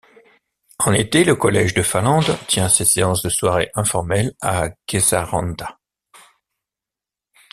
En été, le Collège de Finlande tient ses séances de soirée informelle à Kesäranta.